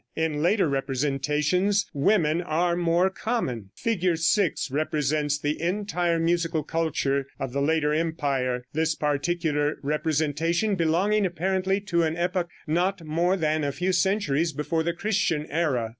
In later representations women are more common. Fig. 6 represents the entire musical culture of the later empire, this particular representation belonging apparently to an epoch not more than a few centuries before the Christian era.